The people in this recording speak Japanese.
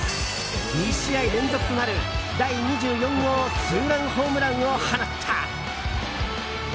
２試合連続となる第２４号ツーランホームランを放った。